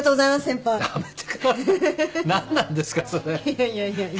いやいやいやいや。